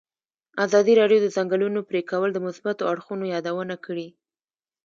ازادي راډیو د د ځنګلونو پرېکول د مثبتو اړخونو یادونه کړې.